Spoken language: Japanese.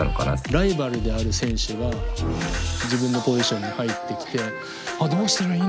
ライバルである選手が自分のポジションに入ってきて「ああどうしたらいいんだろう」って。